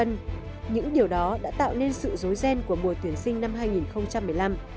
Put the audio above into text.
những điều đó đã tạo nên sự dối ghen của mùa tuyển sinh năm hai nghìn một mươi năm